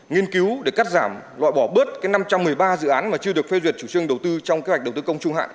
nghiên cứu để cắt giảm loại bỏ bớt năm trăm một mươi ba dự án mà chưa được phê duyệt chủ trương đầu tư trong kế hoạch đầu tư công trung hạn